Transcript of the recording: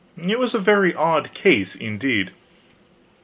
It was a very odd case, indeed.